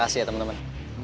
makasih ya temen temen